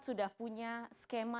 sudah punya skema